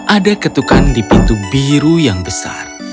ada ketukan di pintu biru yang besar